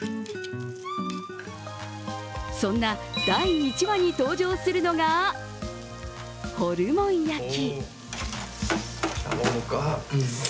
そんな、第１話に登場するのが、ホルモン焼き。